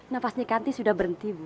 nafas nikanti sudah berhenti bu